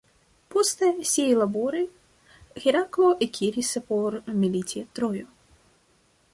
Poste siaj laboroj, Heraklo ekiris por militi Trojo.